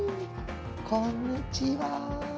こんにちは。